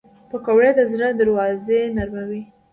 پکورې د زړه درزا نرموي